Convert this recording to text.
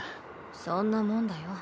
そんなもんだよ。